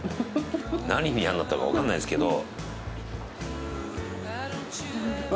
何に嫌になったかわかんないですけど。